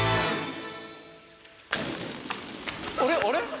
あれあれ？